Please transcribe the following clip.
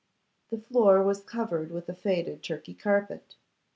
The floor was covered with a faded Turkey carpet.